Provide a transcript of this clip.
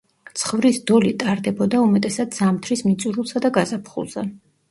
ცხვრის დოლი ტარდებოდა უმეტესად ზამთრის მიწურულსა და გაზაფხულზე.